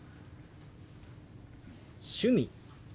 「趣味」。